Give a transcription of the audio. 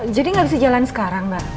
jadi saya tidak bisa pergi sekarang ma